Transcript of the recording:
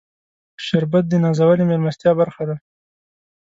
شربت د نازولې میلمستیا برخه ده